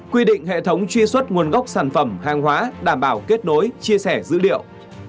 quy định hệ thống truy xuất nguồn gốc sản phẩm hàng hóa đảm bảo kết nối chia sẻ dữ liệu